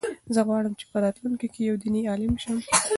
زه غواړم چې په راتلونکي کې یو دیني عالم شم.